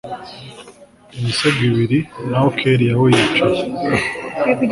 imisego ibiri naho kellia we yicaye